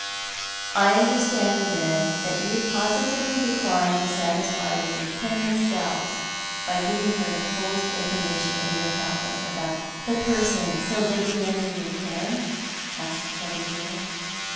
" I understand, then, that you positively decline to satisfy Lady Penrith's doubts by giving her the fullest information in your power about the person so lately under your care ?" asked Coverdale.